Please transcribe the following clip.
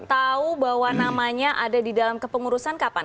tahu bahwa namanya ada di dalam kepengurusan kapan